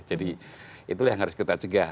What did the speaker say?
jadi itulah yang harus kita cegah